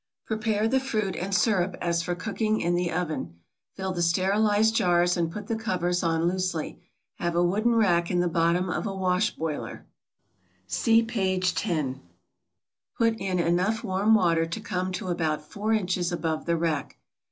Prepare the fruit and sirup as for cooking in the oven. Fill the sterilized jars and put the covers on loosely. Have a wooden rack in the bottom of a wash boiler (see p. 10). Put in enough warm water to come to about 4 inches above the rack.